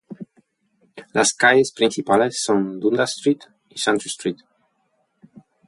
Las calles principales son Dundas Street y Centre Street.